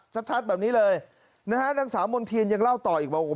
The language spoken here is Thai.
ชัดชัดแบบนี้เลยนะฮะนางสาวมณ์เทียนยังเล่าต่ออีกบอก